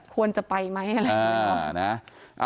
ควรจะไปไหมอะไรอย่างนี้